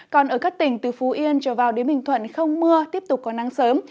còn ở các tỉnh từ phú yên trở vào đến bình thuận không mưa tiếp tục có nắng sớm